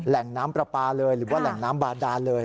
แหล่งน้ำปลาปลาเลยหรือว่าแหล่งน้ำบาดานเลย